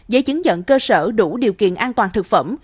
giấy chứng nhận cơ sở đủ điều kiện an toàn thực phẩm